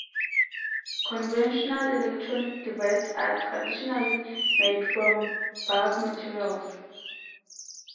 Conventional electronic devices are traditionally made from bulk materials.